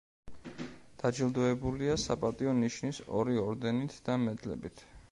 დაჯილდოებულია „საპატიო ნიშნის“ ორი ორდენით და მედლებით.